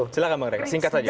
silahkan pak reka singkat aja